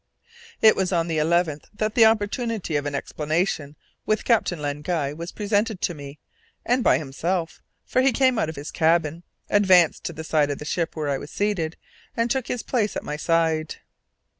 It was on the 11th that the opportunity of an explanation with Captain Len Guy was presented to me, and by himself, for he came out of his cabin, advanced to the side of the ship where I was seated, and took his place at my side.